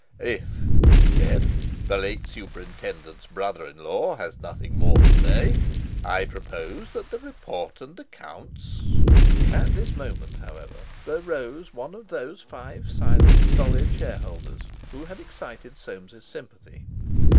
"If," he said, "the late superintendents brother in law has nothing more to say, I propose that the report and accounts...." At this moment, however, there rose one of those five silent, stolid shareholders, who had excited Soames's sympathy.